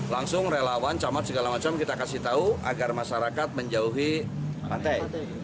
langsung relawan camat segala macam kita kasih tahu agar masyarakat menjauhi pantai